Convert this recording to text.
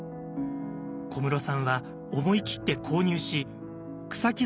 小室さんは思い切って購入し草木